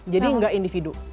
jadi nggak individu